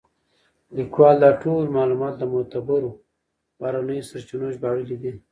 لیکوال دا ټول معلومات له معتبرو بهرنیو سرچینو ژباړلي دي.